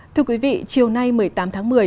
thưa quý vị chiều nay một mươi tám tháng một mươi